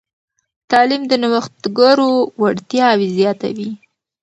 تعلیم د نوښتګرو وړتیاوې زیاتوي.